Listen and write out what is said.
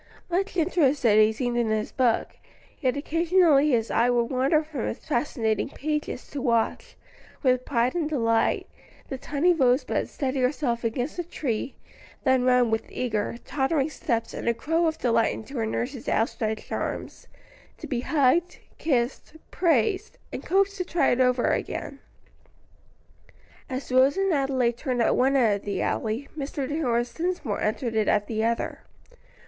Much interested he seemed in his book, yet occasionally his eye would wander from its fascinating pages to watch, with pride and delight, the tiny Rosebud steady herself against a tree, then run with eager, tottering steps and a crow of delight into her nurse's outstretched arms, to be hugged, kissed, praised, and coaxed to try it over again. As Rose and Adelaide turned at one end of the alley, Mr. Horace Dinsmore entered it at the other.